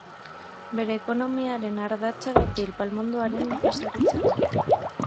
Bere ekonomiaren ardatza datil-palmondoaren nekazaritza du.